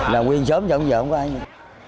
làm nguyên sớm cho không giờ không có ai nữa